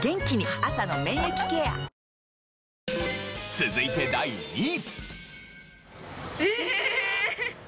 続いて第２位。